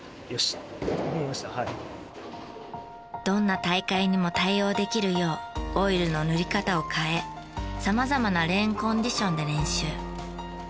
どんな大会にも対応できるようオイルの塗り方を変え様々なレーンコンディションで練習。